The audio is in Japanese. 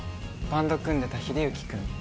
バンド組んでた英之くん